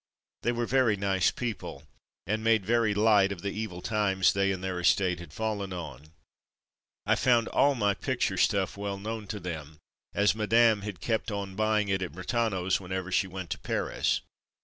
They were very nice people, and made very light of the evil times they and their estate had fallen on. I found all my picture stuff well known to them, as Madame had kept on buying it at Brentano's whenever she went to Paris.